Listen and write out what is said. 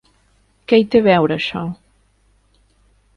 Què hi té a veure això?